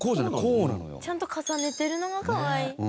ちゃんと重ねてるのがかわいい。